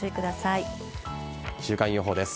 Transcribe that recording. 週間予報です。